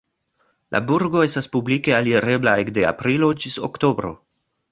La burgo estas publike alirebla ekde aprilo ĝis oktobro.